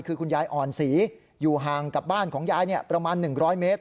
คือคุณยายอ่อนศรีอยู่ห่างกับบ้านของยายประมาณ๑๐๐เมตร